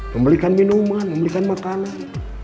membelikan minuman membelikan makanan